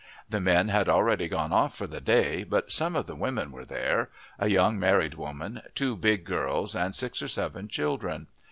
The men had already gone off for the day, but some of the women were there a young married woman, two big girls, and six or seven children.